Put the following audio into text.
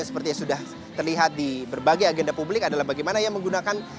seperti yang sudah terlihat di berbagai agenda publik adalah bagaimana ia menggunakan